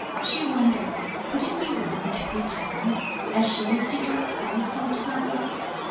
She wondered, would it be wrong to pretend, as she used to do at school sometimes?